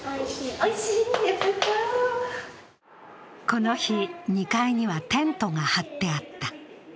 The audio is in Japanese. この日、２階にはテントが張ってあった。